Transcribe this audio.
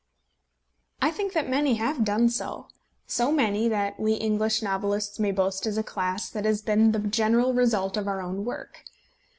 I think that many have done so; so many that we English novelists may boast as a class that such has been the general result of our own work.